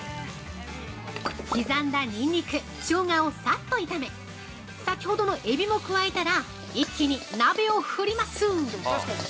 刻んだニンニク、ショウガをサッと炒め先ほどのエビも加えたら一気に鍋を振ります。